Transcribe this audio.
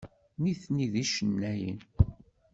Nitni d icennayen.